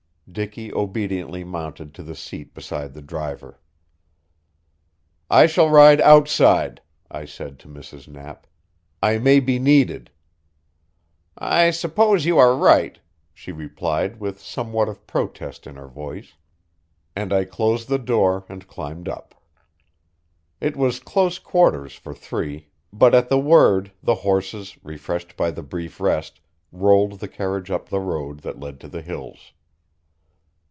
Dicky obediently mounted to the seat beside the driver. "I shall ride outside," I said to Mrs. Knapp. "I may be needed." "I suppose you are right," she replied with somewhat of protest in her voice, and I closed the door, and climbed up. It was close quarters for three, but at the word the horses, refreshed by the brief rest, rolled the carriage up the road that led to the hills.